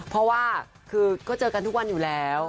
เพราะว่าคือก็เจอกันทุกวันอยู่แล้ว